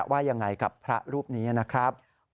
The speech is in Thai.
ว่ากับพระรูปนี้นะครับ